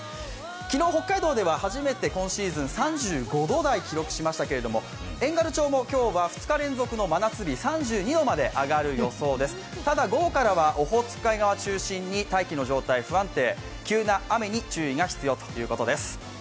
昨日、北海道では初めて今シーズン３５度台を記録しましたけど遠軽町も今日は２日連続の真夏日３２度まで上がる予想です、ただ午後からはオホーツク海を中心に大気の状態は不安定、急な雨に注意が必要ということです。